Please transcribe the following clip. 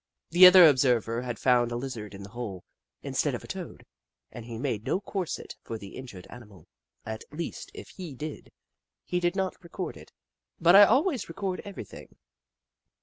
The other observer had found a Lizard in the hole, instead of a Toad, and he made no corset for the injured animal — at least if he did, he did not record it, but I al ways record everything.